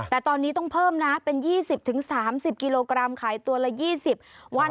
แต่ตอนนี้ต้องเพิ่มนะเป็น๒๐๓๐กิโลกรัมขายตัวละ๒๐วัน